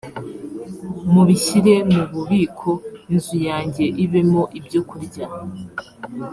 mubishyire mu bubiko inzu yanjye ibemo ibyokurya